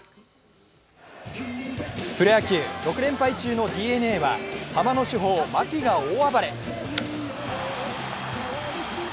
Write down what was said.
プロ野球、６連敗中のＤｅＮＡはハマの主砲、牧が大暴れ。